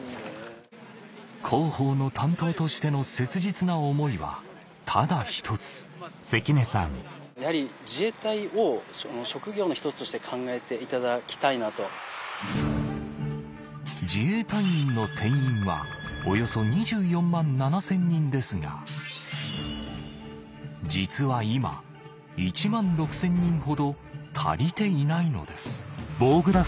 広報の担当としての切実な思いはただ一つ自衛隊員の定員はおよそ２４万７０００人ですが実は今１万６０００人ほど足りていないのです